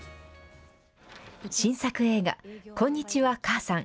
新作映画こんにちは、母さん。